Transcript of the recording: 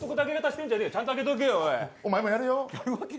お前もやれよ。